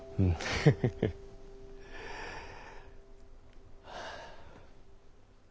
ハハハ。